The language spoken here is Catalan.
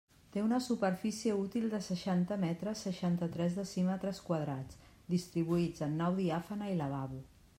Té una superfície útil de seixanta metres, seixanta-tres decímetres quadrats, distribuïts en nau diàfana i lavabo.